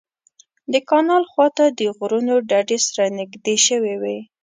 د کانال خوا ته د غرونو ډډې سره نږدې شوې وې.